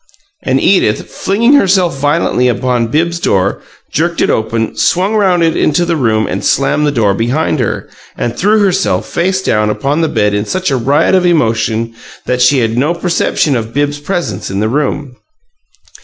And Edith, flinging herself violently upon Bibbs's door, jerked it open, swung round it into the room, slammed the door behind her, and threw herself, face down, upon the bed in such a riot of emotion that she had no perception of Bibbs's presence in the room.